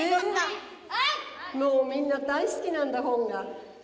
みんな大好きなんだ本が。